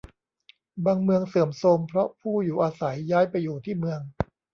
บางเมืองเสื่อมโทรมเพราะผู้อยู่อาศัยย้ายไปอยู่ที่เมือง